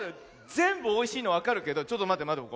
ぜんぶおいしいのわかるけどちょっとまってまって。